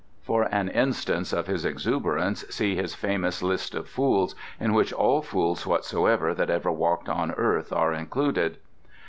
For an instance of his exuberance see his famous list of fools, in which all fools whatsoever that ever walked on earth are included.